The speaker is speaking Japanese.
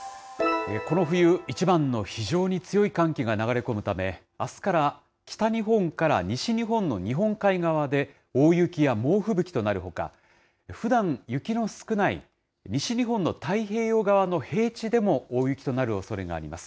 この冬一番の非常に強い寒気が流れ込むため、あすから北日本から西日本の日本海側で大雪や猛吹雪となるほか、ふだん雪の少ない西日本の太平洋側の平地でも大雪となるおそれがあります。